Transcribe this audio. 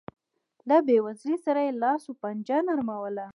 له بېوزلۍ سره یې لاس و پنجه نرموله.